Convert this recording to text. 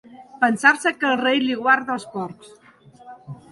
Pensar-se que el rei li guarda els porcs.